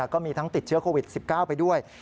ก็มีทั้งติดเชื้อโควิด๑๙ไปด้วย